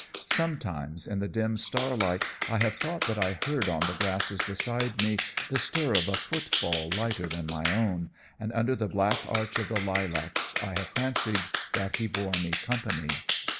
Sometimes, in the dim starlight, I have thought that I heard on the grasses beside me the stir of a footfall lighter than my own, and under the black arch of the lilacs I have fancied that he bore me company.